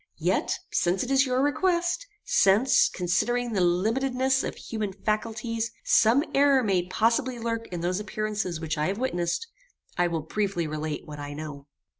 Yet, since it is your request; since, considering the limitedness of human faculties, some error may possibly lurk in those appearances which I have witnessed, I will briefly relate what I know.